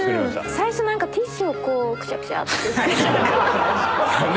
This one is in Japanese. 最初何かティッシュをこうくしゃくしゃってして。